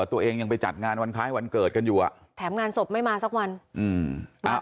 ตัวเองยังไปจัดงานวันคล้ายวันเกิดกันอยู่อ่ะแถมงานศพไม่มาสักวันอืมอ่า